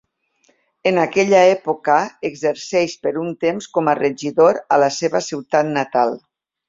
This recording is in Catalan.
En aquella època exerceix per un temps com a regidor a la seva ciutat natal.